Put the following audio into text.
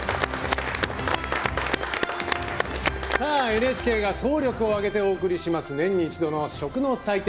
ＮＨＫが総力を挙げてお送りします年に一度の食の祭典